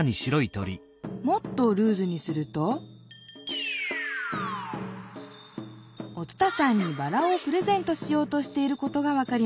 もっとルーズにするとお伝さんにバラをプレゼントしようとしていることが分かりました。